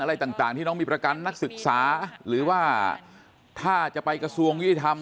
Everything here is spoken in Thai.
อะไรต่างที่น้องมีประกันนักศึกษาหรือว่าถ้าจะไปกระทรวงยุติธรรม